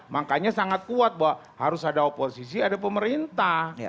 makanya sangat kuat bahwa harus ada oposisi ada pemerintah